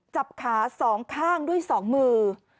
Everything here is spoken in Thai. จับขาสองข้างด้วยสองมือ